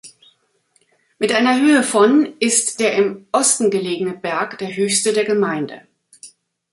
Mit einer Höhe von ist der im Osten gelegene Berg der höchste der Gemeinde.